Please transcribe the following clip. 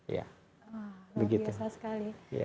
wah luar biasa sekali